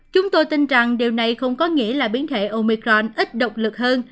chúng tôi tin rằng điều này không có nghĩa là biến thể omicron ít động lực hơn